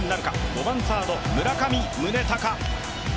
５番・サード村上宗隆。